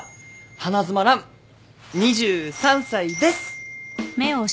花妻蘭２３歳です！